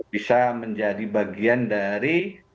bisa menjadi bagian dari